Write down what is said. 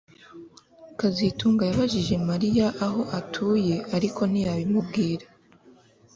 kazitunga yabajije Mariya aho atuye ariko ntiyabimubwira